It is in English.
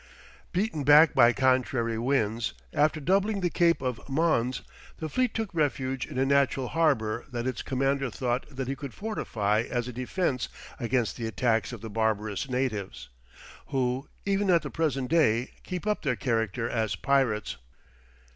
Beaten back by contrary winds, after doubling the cape of Monze, the fleet took refuge in a natural harbour that its commander thought that he could fortify as a defence against the attacks of the barbarous natives, who, even at the present day, keep up their character as pirates.